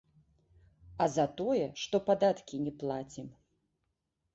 А за тое, што падаткі не плацім.